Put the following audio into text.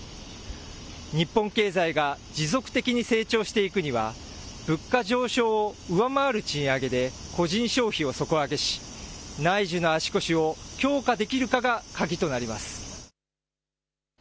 日本経済が持続的に成長していくには物価上昇を上回る賃上げで個人消費を底上げし内需の足腰を強化できるかが鍵となります。